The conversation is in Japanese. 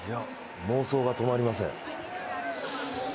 妄想が止まりません。